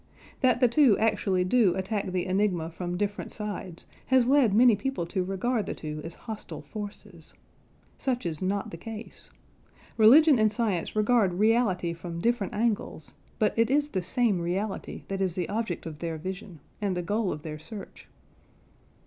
That the two actually do attack the enigma from different sides has led many people to regard the two as hostile forces. Such is not the case. Religion and science regard reality from different angles, but it is the same reality that is the object of their vision, and the goal of their search.